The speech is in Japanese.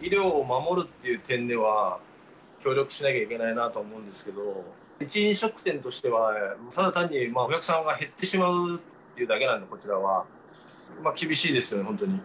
医療を守るっていう点では協力しなきゃいけないなと思うんですけど、いち飲食店としては、ただ単にお客さんが減ってしまうっていうだけなんで、こちらは、厳しいですよね、本当に。